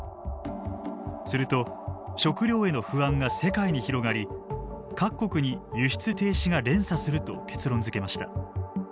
すると食料への不安が世界に広がり各国に輸出停止が連鎖すると結論づけました。